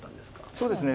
そうですね